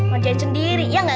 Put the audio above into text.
mau jalan sendiri ya nggak